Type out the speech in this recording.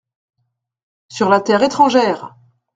Sur la terre étrangère !